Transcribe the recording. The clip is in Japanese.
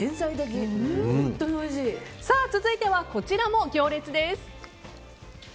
続いては、こちらも行列です。